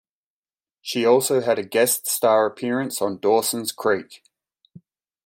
She also had a guest star appearance on "Dawson's Creek".